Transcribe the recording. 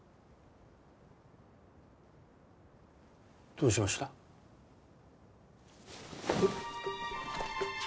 どうしました？えっ。